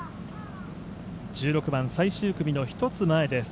１６番最終組の一つ前です。